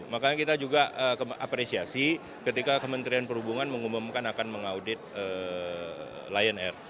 makanya kita juga apresiasi ketika kementerian perhubungan mengumumkan akan mengaudit lion air